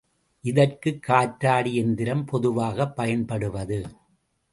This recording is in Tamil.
இதற்குக் காற்றாடி எந்திரம் பொதுவாகப் பயன்படுவது.